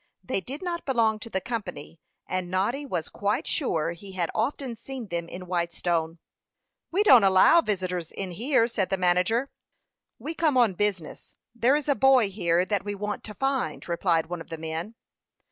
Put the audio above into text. They did not belong to the company, and Noddy was quite sure he had often seen them in Whitestone. "We don't allow visitors in here now," said the manager. "We come on business. There is a boy here that we want to find," replied one of the men.